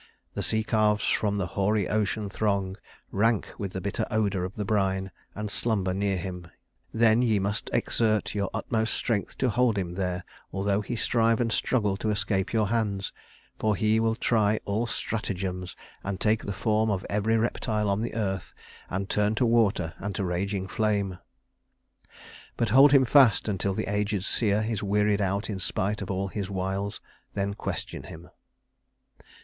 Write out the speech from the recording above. The sea calves from the hoary ocean throng, Rank with the bitter odor of the brine, And slumber near him. Then ye must exert Your utmost strength to hold him there, although He strive and struggle to escape your hands; For he will try all stratagems, and take The form of every reptile on the earth, And turn to water and to raging flame. But hold him fast, until the aged seer Is wearied out in spite of all his wiles, Then question him."